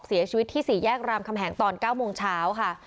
เสียชีวิตที่๔แยกรามคำแหงตอน๙โมงเช้าค่ะ